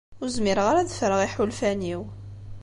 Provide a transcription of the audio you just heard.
Ur zmireɣ ara ad ffreɣ iḥulfan-iw.